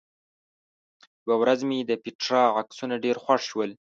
یوه ورځ مې د پېټرا عکسونه ډېر خوښ شول.